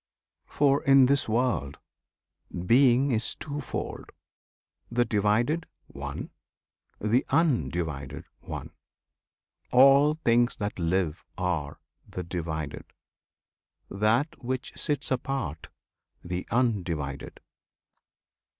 [FN#31] For in this world Being is twofold: the Divided, one; The Undivided, one. All things that live Are "the Divided." That which sits apart, "The Undivided."